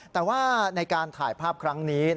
แต่ว่าในการถ่ายภาพครั้งนี้